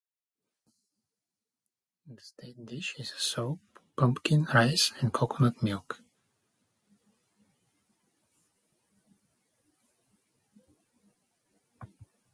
The state dish is a soup, pumpkin, rice, and coconut milk.